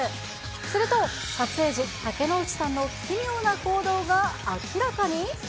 すると、撮影時、竹野内さんの奇妙な行動が明らかに。